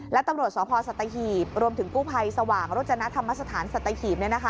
และตำรวจสวทธิ์ศาสตร์สัตยาขีบรวมถึงกู้ภัยสว่างรถจนาธรรมสถานสัตยาขีบ